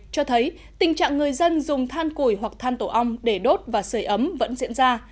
cho thấy tình trạng người dân dùng than củi hoặc than tổ ong để đốt và sửa ấm vẫn diễn ra